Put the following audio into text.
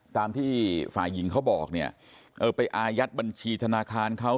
ตามที่ฝ่ายหญิงเขาบอกเนี่ยเออไปอายัดบัญชีธนาคารเขา